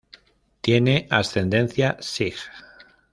Tiene ascendencia sij.